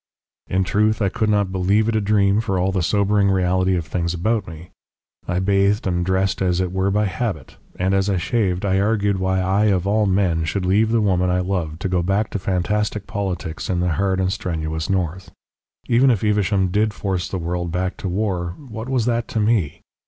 "In truth, I could not believe it a dream for all the sobering reality of things about me. I bathed and dressed as it were by habit, and as I shaved I argued why I of all men should leave the woman I loved to go back to fantastic politics in the hard and strenuous north. Even if Evesham did force the world back to war, what was that to me?